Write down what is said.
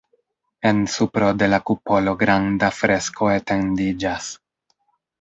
En supro de la kupolo granda fresko etendiĝas.